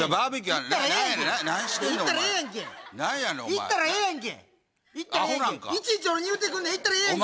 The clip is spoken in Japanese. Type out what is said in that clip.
行ったらええやん。